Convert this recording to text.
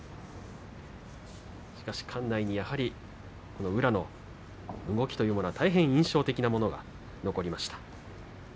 館内に宇良の動きというものは印象的なものが残りました。